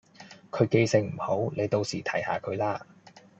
佢記性唔好，你到時提下佢啦